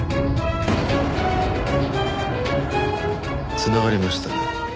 繋がりましたね。